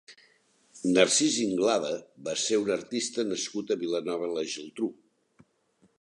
Narcís Ynglada va ser un artista nascut a Vilanova i la Geltrú.